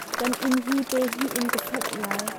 Kan inn hi pe hnih in ka sanh lai.